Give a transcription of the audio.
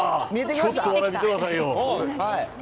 ちょっと見てください。